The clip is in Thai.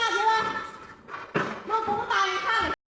ก็ไปดูเค้ากัน